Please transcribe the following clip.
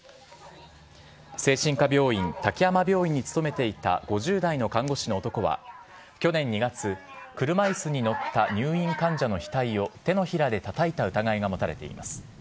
精神科病院、滝山病院に勤めていた５０代の看護師の男は、去年２月、車いすに乗った入院患者の額を手のひらでたたいた疑いが持たれています。